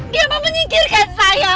dia mau menyingkirkan saya